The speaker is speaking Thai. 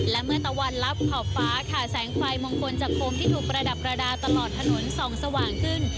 และเมื่อตะวันลับขอบฟ้าค่ะแสงไฟมงคลจากโคมที่ถูกประดับประดาษตลอดถนนส่องสว่างขึ้น